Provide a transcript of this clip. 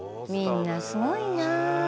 みんなすごいな。